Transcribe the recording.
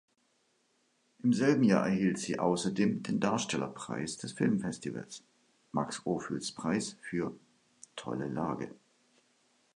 Im selben Jahr erhielt sie außerdem den Darstellerpreis des Filmfestivals Max-Ophüls-Preis für "Tolle Lage".